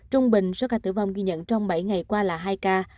trung bình số ca tử vong ghi nhận trong bảy ngày qua là hai ca